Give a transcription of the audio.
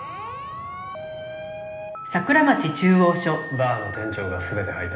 バーの店長が全て吐いた。